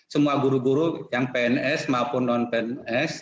semua guru guru yang pns maupun non pns